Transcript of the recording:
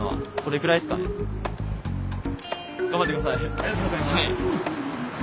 ありがとうございます。